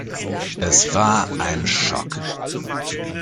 Es war ein Schock.